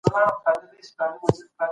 • بې له پلان څخه ورځ مه تېروه.